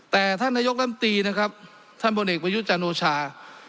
แต่ท่านนายกล้ำตีนะครับท่านบนเอกวัยุจาโนชา